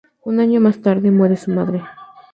Un año más tarde, muere su madre.